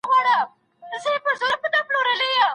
تر څو په زړونو کې یې کینه پیدا نشي.